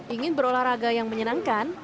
ingin berolahraga yang menyenangkan